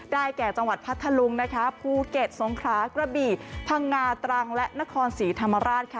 แก่จังหวัดพัทธลุงภูเก็ตสงครากระบี่พังงาตรังและนครศรีธรรมราชค่ะ